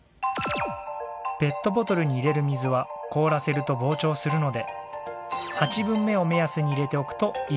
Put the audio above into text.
ペットボトルに入れる水は凍らせると膨張するので８分目を目安に入れておくといいそうです。